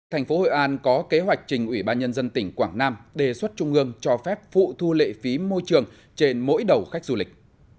thành phố hội an có kế hoạch trình ủy ban nhân dân tỉnh quảng nam đề xuất trung ương cho phép phụ thu lệ phí môi trường trên mỗi đầu khách du lịch